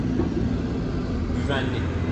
Güvenli.